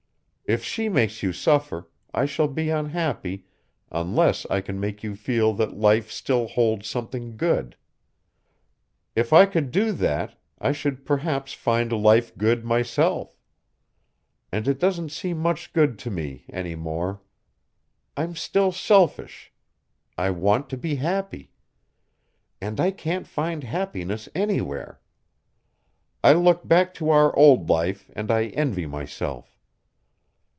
If she makes you suffer, I shall be unhappy unless I can make you feel that life still holds something good. If I could do that, I should perhaps find life good myself. And it doesn't seem much good to me, any more. I'm still selfish. I want to be happy. And I can't find happiness anywhere. I look back to our old life and I envy myself.